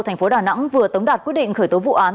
thành phố đà nẵng vừa tống đạt quyết định khởi tố vụ án